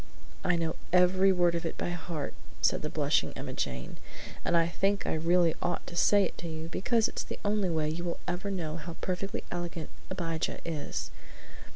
"I know every word of it by heart," said the blushing Emma Jane, "and I think I really ought to say it to you, because it's the only way you will ever know how perfectly elegant Abijah is.